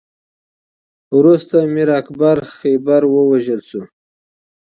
وروسته میر اکبر خیبر ووژل شو.